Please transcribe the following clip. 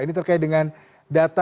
ini terkait dengan data